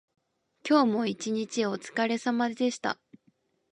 今日も一日おつかれさまでした。